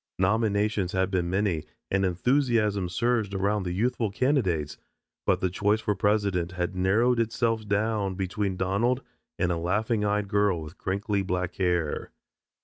Nominations had been many and enthusiasm surged around the youthful candidates, but the choice for president had narrowed itself down between Donald and a laughing eyed girl with crinkly black hair.